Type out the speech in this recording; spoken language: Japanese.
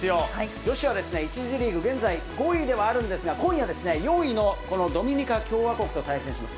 女子は１次リーグ、現在５位ではあるんですが、今夜、４位の、このドミニカ共和国と対戦します。